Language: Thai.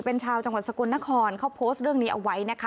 เป็นชาวจังหวัดสกลนครเขาโพสต์เรื่องนี้เอาไว้นะคะ